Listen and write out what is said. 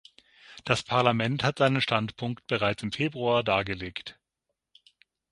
Das Parlament hat seinen Standpunkt bereits im Februar dargelegt.